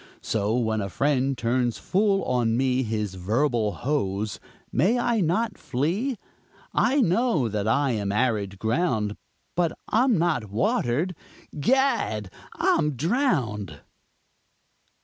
So when a friend turns full on me His verbal hose, may I not flee? I know that I am arid ground, But I'm not watered Gad! I'm drowned!